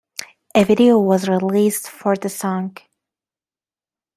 A video was released for the song.